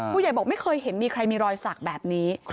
บอกไม่เคยเห็นมีใครมีรอยสักแบบนี้